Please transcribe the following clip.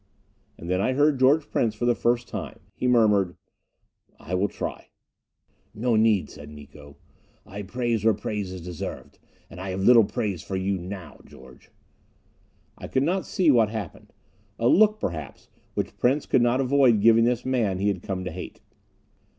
And then I heard George Prince for the first time. He murmured, "I will try." "No need," said Miko. "I praise where praise is deserved. And I have little praise for you now, George!" I could not see what happened. A look, perhaps, which Prince could not avoid giving this man he had come to hate.